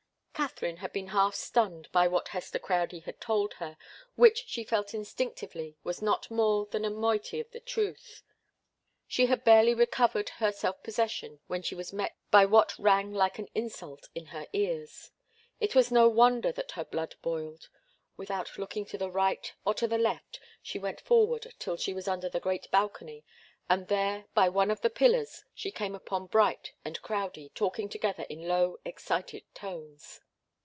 Katharine had been half stunned by what Hester Crowdie had told her, which she felt instinctively was not more than a moiety of the truth. She had barely recovered her self possession when she was met by what rang like an insult in her ears. It was no wonder that her blood boiled. Without looking to the right or to the left, she went forward till she was under the great balcony, and there, by one of the pillars, she came upon Bright and Crowdie talking together in low, excited tones.